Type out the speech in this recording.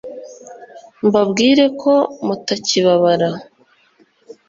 mbabwire ko mutakibabara